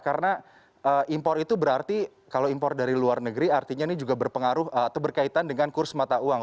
karena impor itu berarti kalau impor dari luar negeri artinya ini juga berpengaruh atau berkaitan dengan kurs mata uang